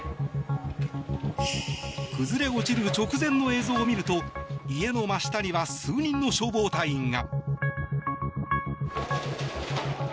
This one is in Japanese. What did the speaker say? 崩れ落ちる直前の映像を見ると家の真下には数人の消防隊員が。